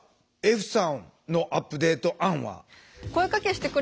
歩さんのアップデート案は。